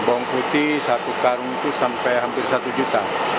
bawang putih satu karung itu sampai hampir rp satu